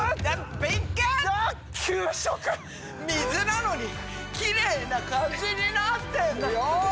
水なのにきれいな漢字になってるよ。